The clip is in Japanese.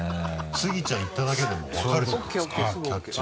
スギちゃん行っただけでもう分かるってことですか？